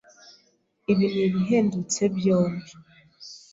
Ibi nibihendutse byombi.